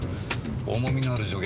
重みのある助言